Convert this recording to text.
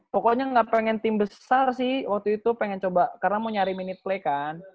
pokoknya nggak pengen tim besar sih waktu itu pengen coba karena mau nyari minute play kan